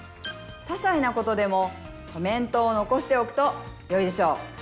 ささいなことでもコメントを残しておくとよいでしょう。